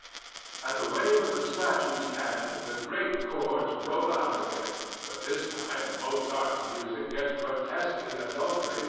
At the wave of the statue's hand the great chords roll out again but this time Mozart's music gets grotesquely adulterated with Gounod's.